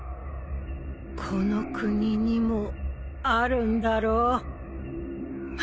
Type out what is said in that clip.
この国にもあるんだろ？